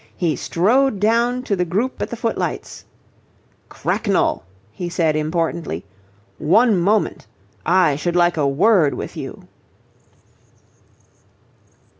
He strode down to the group at the footlights, "Cracknell," he said importantly, "one moment, I should like a word with you."